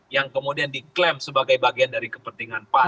yang kemudian diklaim sebagai bagian dari kepentingan pan